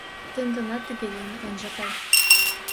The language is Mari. Тенданат тыге лийын ынже кай.